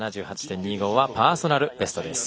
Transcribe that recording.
７８．２５はパーソナルベストです。